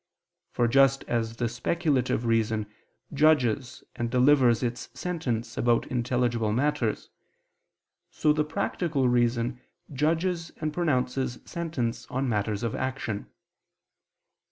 For just as the speculative reason judges and delivers its sentence about intelligible matters, so the practical reason judges and pronounces sentence on matters of action.